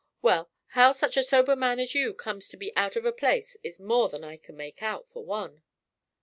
Well, how such a sober man as you comes to be out of place is more than I can make out, for one.